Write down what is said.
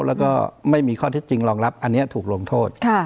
แล้วก็ไม่มีข้อเท็จจริงรองรับอันนี้ถูกลงโทษ